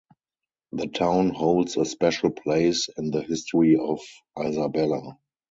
The town holds a special place in the history of Isabela.